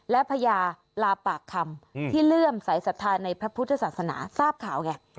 และพญาลาปากคำที่เลื่อมสายศรัทธาในพระพุทธศาสนาทราบข่าวไง